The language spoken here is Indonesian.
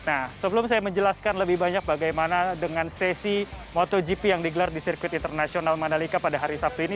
nah sebelum saya menjelaskan lebih banyak bagaimana dengan sesi motogp yang digelar di sirkuit internasional mandalika pada hari sabtu ini